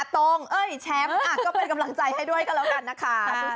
ตรงเอ้ยแชมป์ก็เป็นกำลังใจให้ด้วยกันแล้วกันนะคะ